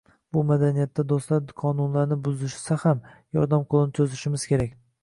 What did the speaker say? Bu madaniyatda do‘stlar qonunlarni buzishsa ham, yordam qo‘lini cho‘zishimiz kerak.